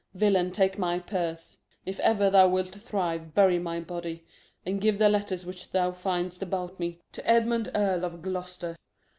Villain, take my purse. If ever thou wilt thrive, bury my body, And give the letters which thou find'st about me To Edmund Earl of Gloucester.